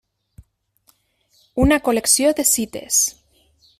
Una col·lecció de cites.